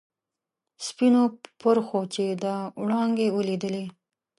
سپینو پرخو چې دا وړانګې ولیدلي.